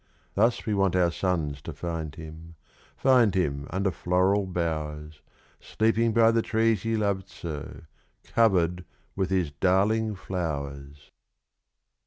Thus we want our sons to find him find him under floral bowers, Sleeping by the trees he loved so, covered with his darling flowers!